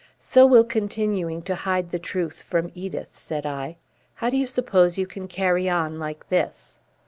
"So will continuing to hide the truth from Edith," said I. "How do you suppose you can carry on like this?"